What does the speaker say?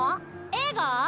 映画？